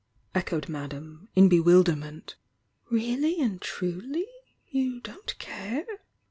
echoed Madame, in bewilder ment. "Really and truly? You don't care?"